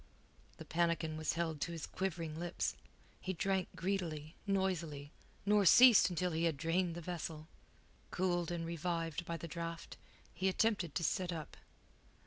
The pannikin was held to his quivering lips. He drank greedily, noisily, nor ceased until he had drained the vessel. Cooled and revived by the draught, he attempted to sit up.